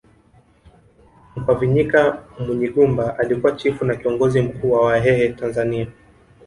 Mkwavinyika Munyigumba alikuwa chifu na kiongozi mkuu wa Wahehe Tanzania